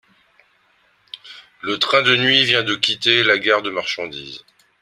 Le train de nuit vient de quitter la gare de marchandise